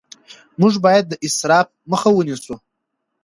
موږ باید د اسراف مخه ونیسو